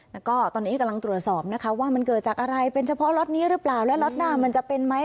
แล้วก็ตอนนี้กำลังตรวจสอบนะคะว่ามันเกิดจากอะไรเป็นเฉพาะล็อตนี้หรือเปล่าและล็อตหน้ามันจะเป็นไหม